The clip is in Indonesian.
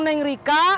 neng rika mau jalan